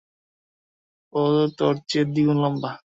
ও তোর চেয়ে দ্বিগুণ লম্বা।